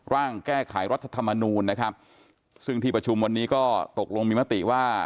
ร่างแก้ไขรัฐธรรมนูลนะครับซึ่งที่ประชุมวันนี้ก็ตกลงมีมติว่า